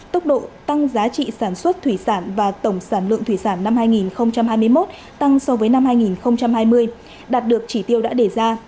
tốc độ tăng giá trị sản xuất thủy sản và tổng sản lượng thủy sản năm hai nghìn hai mươi một tăng so với năm hai nghìn hai mươi đạt được chỉ tiêu đã đề ra